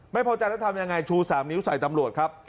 ไม่พอใจแล้วทำยังไงชู๓นิ้วใส่ตำรวจครับ